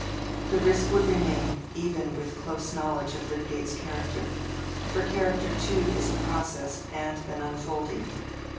The risk would remain even with close knowledge of Lydgate's character; for character too is a process and an unfolding.